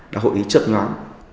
đã hội ý chấp nhắn